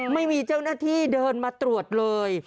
ไม่มีเจ้าหน้าที่เดินมาตรวจเลย